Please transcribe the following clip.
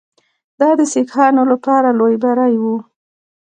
دا د سیکهانو لپاره لوی بری وو.